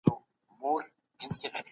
کمپيوټر پاک مېز غواړي.